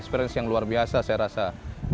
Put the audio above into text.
karena pernyataan malayan